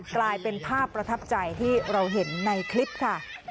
กลายเป็นภาพประทับใจที่เราเห็นในคลิปค่ะ